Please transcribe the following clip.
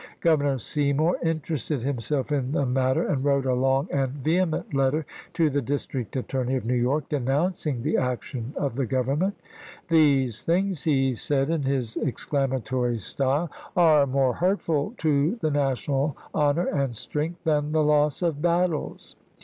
Governor Seymour in terested himself in the matter and wrote a long and vehement letter to the district attorney of New May 23,186*. York denouncing the action of the Government. " These things," he said in his exclamatory style, " are more hurtful to the national honor and strength than the loss of battles.